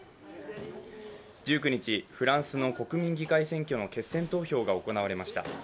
１９日、フランスの国民議会選挙の決選投票が行われました。